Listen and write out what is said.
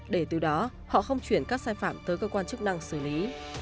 để từ đó họ không chuyển các sai phạm tới cơ quan chức năng xử lý